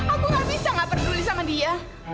aku gak bisa gak peduli sama dia